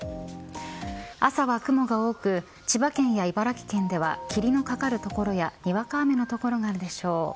朝は雲が多く千葉県や茨城県では霧のかかる所やにわか雨の所があるでしょう。